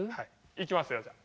いきますよじゃあ。